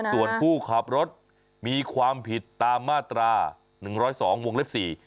ส่วนผู้ขับรถมีความผิดตามมาตรา๑๐๒วงเล็บ๔